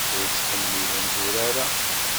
Ur ttḥemmilent urar-a.